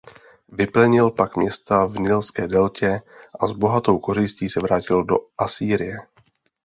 Vyplenil pak města v nilské deltě a s bohatou kořistí se vrátil do Asýrie.